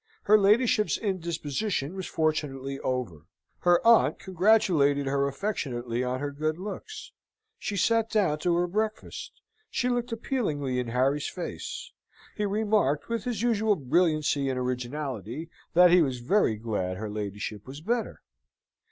Her ladyship's indisposition was fortunately over: her aunt congratulated her affectionately on her good looks. She sate down to her breakfast. She looked appealingly in Harry's face. He remarked, with his usual brilliancy and originality, that he was very glad her ladyship was better.